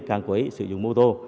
càng quấy sử dụng mô tô